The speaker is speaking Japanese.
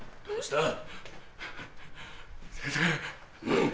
どうした？